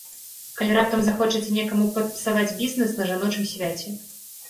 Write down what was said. Калі раптам захочаце некаму падпсаваць бізнэс на жаночым свяце.